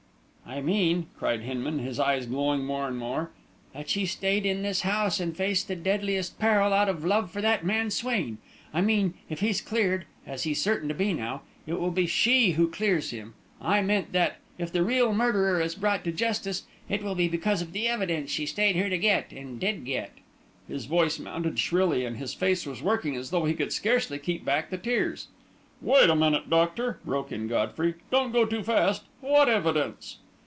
"I mean," cried Hinman, his eyes glowing more and more, "that she stayed in this house and faced the deadliest peril out of love for that man Swain; I mean that, if he's cleared, as he's certain to be now, it will be she who clears him; I mean that, if the real murderer is brought to justice, it will be because of the evidence she stayed here to get, and did get!" His voice had mounted shrilly, and his face was working as though he could scarcely keep back the tears. "Wait a minute, doctor," broke in Godfrey. "Don't go too fast. What evidence?"